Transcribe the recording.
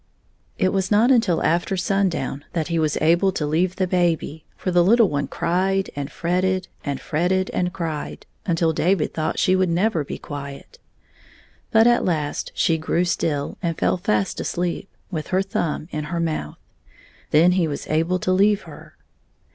22 It was not until aftet sundown that he was able to leave the baby, for the little one cried and fretted, and fretted and cried, until David thought she would never be quiet. But at last she grew still, and fell fast asleep, with her thumb in her mouth. Then he was able to leave her.